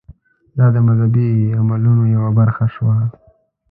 دا د مذهبي عملونو یوه برخه شوه.